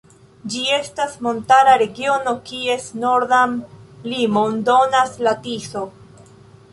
Ĝi estas montara regiono, kies nordan limon donas la Tiso.